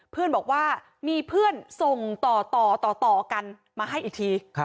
เพื่อนบอกว่ามีเพื่อนส่งต่อต่อกันมาให้อีกที